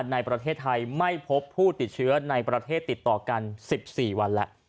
ในประเทศไทยไม่พบผู้ติดเชื้อในประเทศติดต่อกัน๑๔วันแล้ว